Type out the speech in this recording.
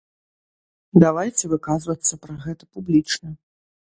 Давайце выказвацца пра гэта публічна!